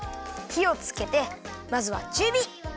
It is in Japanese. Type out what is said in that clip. ひをつけてまずはちゅうび！